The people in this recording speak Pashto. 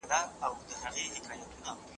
سوله د تلپاتې ثبات ضمانت کوي.